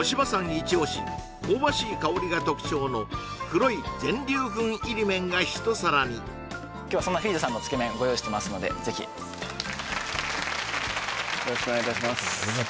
一押し香ばしい香りが特徴の黒い全粒粉入り麺が一皿に今日はそんなＦｅｅＬさんのつけ麺ご用意してますのでぜひよろしくお願いいたします